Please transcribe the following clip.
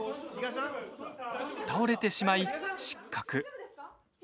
倒れてしまい、失格。